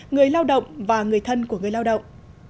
người lao động và người thân của người lao động